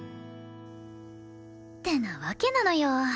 ってなわけなのよ。